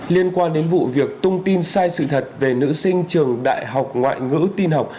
liên quan đến vụ việc tung tin sai sự thật về nữ sinh trường đại học ngoại ngữ tin học